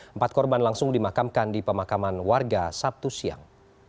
empat korban langsung dimakamkan di pemakaman warga sabtu siang